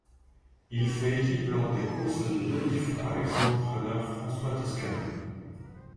Il fait équipe lors des courses de demi-fond avec son entraîneur François Toscano.